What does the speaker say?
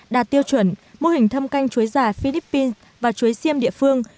đạt tiêu chuẩn mô hình thâm canh chuối già philippines và chuối siêm địa phương